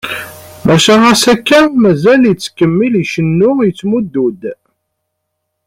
Maca ɣas akka, mazal yettkemmil icennu, yettmuddu-d.